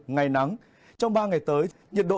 ngày nắng trong ba ngày tới nhiệt độ